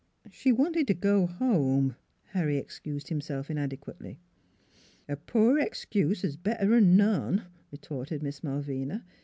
" She wanted to go home," Harry excused him self inadequately. " A poor excuse 's better 'n' none," retorted Miss Malvina.